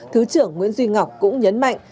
thứ trưởng nguyễn duy ngọc cũng nhấn mạnh